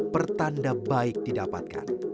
pertanda baik didapatkan